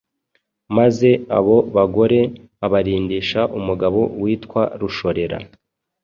maze abo bagore abarindisha umugabo witwa Rushorera.